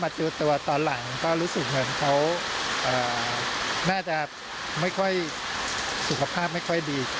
เจอตัวตอนหลังก็รู้สึกเหมือนเขาน่าจะไม่ค่อยสุขภาพไม่ค่อยดี